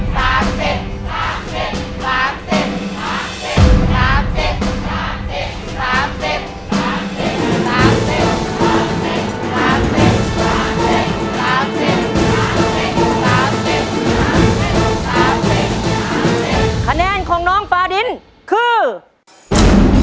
ขนาดของน้องปลาดินคือ